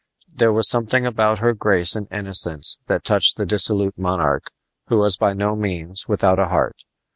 There was something about her grace and innocence that touched the dissolute monarch, who was by no means without a heart.